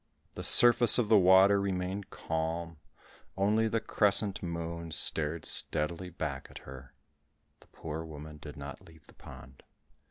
The surface of the water remained calm, only the crescent moon stared steadily back at her. The poor woman did not leave the pond.